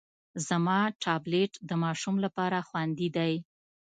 زما ټابلیټ د ماشوم لپاره خوندي دی.